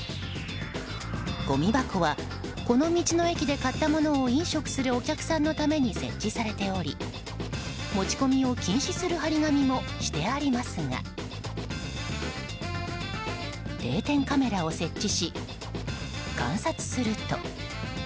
ごみ箱はこの道の駅で買ったものを飲食するお客さんのために設置されており持ち込みを禁止する貼り紙もしてありますが定点カメラを設置し観察すると。